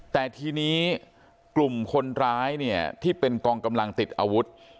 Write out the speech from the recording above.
แต่ทีนี้กลุ่มคนร้ายเนี่ยที่เป็นกองกำลังติดอาวุธ